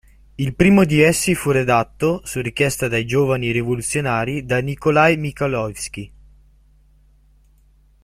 Il primo di essi fu redatto, su richiesta dai giovani rivoluzionari, da Nikolaj Michajlovskij.